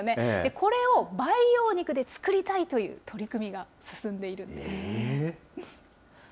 これを培養肉で作りたいという取り組みが進んでいるんです。